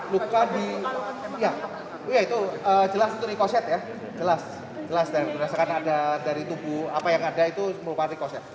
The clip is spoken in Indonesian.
luka di ya itu jelas itu rikoset ya jelas jelas dan berdasarkan ada dari tubuh apa yang ada itu merupakan rikoset